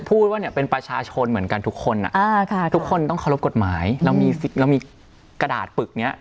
พูดว่าเนี่ยเป็นประชาชนเหมือนกันทุกคนทุกคนต้องเคารพกฎหมายเรามีเรามีกระดาษปึกเนี้ย